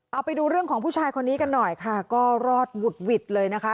เอาไปดูเรื่องของผู้ชายคนนี้กันหน่อยค่ะก็รอดหวุดหวิดเลยนะคะ